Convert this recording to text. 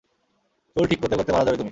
চুল ঠিক করতে করতে মারা যাবে তুমি।